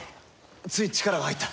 つい力が入った。